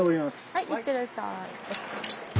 はいいってらっしゃい。